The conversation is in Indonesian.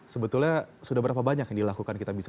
sebetulnya sudah berapa banyak yang dilakukan kitabisa com